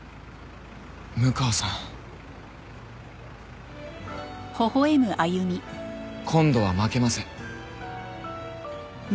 六川さん。今度は負けません。